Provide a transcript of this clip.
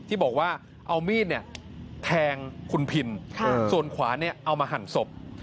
ที่บอกว่าเอามีดแทงคุณพินส่วนขวาเนี่ยเอามาหั่นศพ